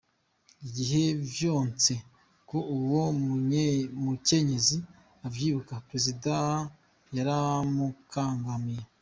Igihe vyanse ko uwo mukenyezi avyibuka, Perezida yaramukankamiye.